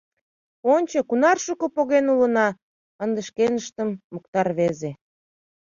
— Ончо, кунар шуко поген улына! — ынде шкеныштым мокта рвезе.